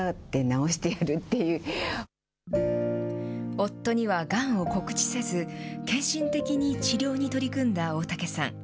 夫にはがんを告知せず、献身的に治療に取り組んだ大竹さん。